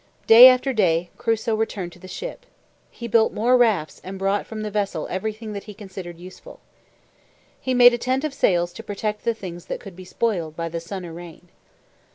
Day after day, Crusoe returned to the ship. He built more rafts and brought from the vessel everything that he considered useful. He made a tent of sails to protect the things that could be spoiled by the sun or rain.